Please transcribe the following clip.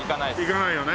行かないよね。